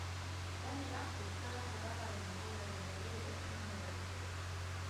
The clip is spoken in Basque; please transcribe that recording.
Gainera, euskarazko raparen egoeraren berri ere emango digute.